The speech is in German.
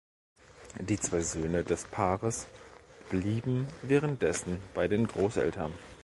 Die zwei Söhne des Paares blieben währenddessen bei den Großeltern.